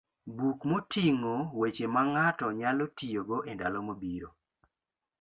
buk moting'o weche ma ng'ato nyalo tiyogo e ndalo mabiro.